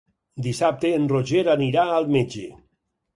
Dissabte en Roger anirà al metge.